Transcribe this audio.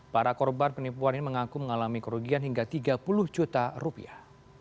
para korban penipuan ini mengaku mengalami kerugian hingga tiga puluh juta rupiah